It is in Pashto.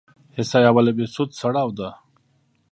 حصه اول بهسود سړه ده؟